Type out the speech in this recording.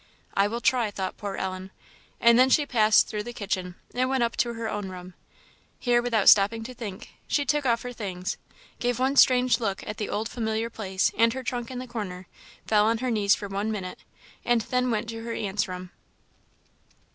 "I will try!" thought poor Ellen; and then she passed through the kitchen, and went up to her own room. Here, without stopping to think, she took off her things, gave one strange look at the old familiar place, and her trunk in the corner, fell on her knees for one minute, and then went to her aunt's room.